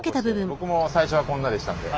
僕も最初はこんなでしたんで。